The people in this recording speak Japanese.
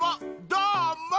どーも！